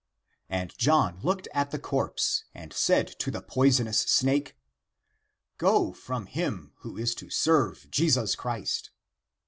And John looked at the corpse and said to :he poisonous snake, " Go from him who is to serve Jesus Christ